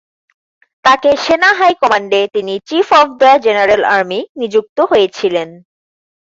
তাকে সেনা হাই কমান্ডে তিনি chief of the general army নিযুক্ত হয়েছিলেন।